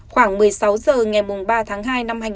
khoảng một mươi sáu giờ ngày ba tháng hai năm hai nghìn hai mươi ba